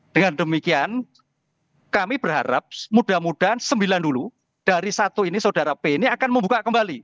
dengan demikian kami berharap mudah mudahan sembilan dulu dari satu ini saudara p ini akan membuka kembali